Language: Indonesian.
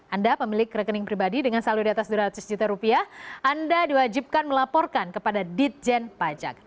anda pemilik rekening pribadi dengan saldo di atas dua ratus juta rupiah anda diwajibkan melaporkan kepada ditjen pajak